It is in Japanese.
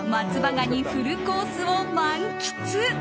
ガニフルコースを満喫。